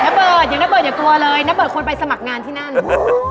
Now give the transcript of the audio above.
น้ำเบิดควรไปสมัครงานที่นั่น